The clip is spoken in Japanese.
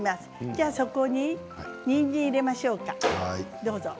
じゃあ、そこににんじんを入れましょうかどうぞ。